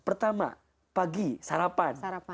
pertama pagi sarapan